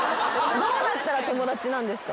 どうなったら友達なんですか？